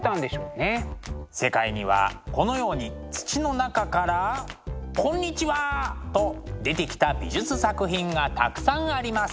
世界にはこのように土の中からこんにちは！と出てきた美術作品がたくさんあります。